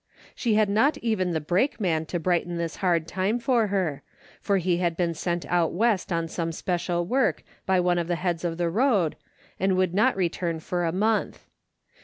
She had not even the brakeman to brighten this hard time for her, for he had been sent out West on some special work by one of the 302 A DAILY ILiTDA heads of the road, and would not return for a month.